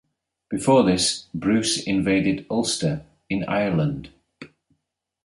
Before this, Bruce invaded Ulster in Ireland.